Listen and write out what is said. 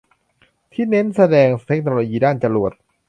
ที่นี่เน้นแสดงเทคโนโลยีด้านจรวด